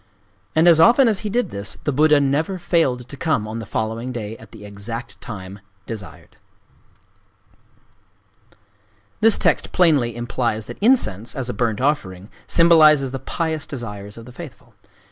And as often as he did thus, the Buddha never failed to come on the following day at the exact time desired." "Short [or Epitomized] History of Priests." This text plainly implies that incense, as a burnt offering, symbolizes the pious desires of the faithful.